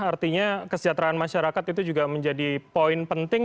artinya kesejahteraan masyarakat itu juga menjadi poin penting